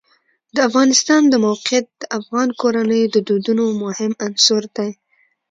د افغانستان د موقعیت د افغان کورنیو د دودونو مهم عنصر دی.